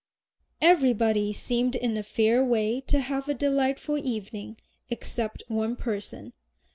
Everybody seemed in a fair way to have a delightful evening except one person.